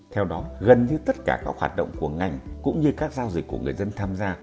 theo đó gần như tất cả các hoạt động của ngành cũng như các giao dịch của người dân tham gia